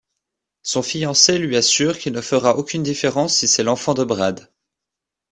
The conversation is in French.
Son fiancé lui assure qu'il ne fera aucune différence si c'est l'enfant de Brad.